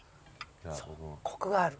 そうコクがある。